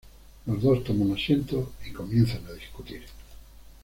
Los dos toman asiento y comienzan a discutir.